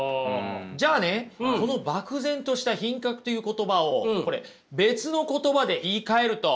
じゃあねこの漠然とした品格という言葉をこれ別の言葉で言いかえるとこれどうなります？